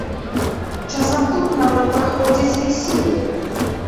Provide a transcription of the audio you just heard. Часам тут нават праходзяць вяселлі.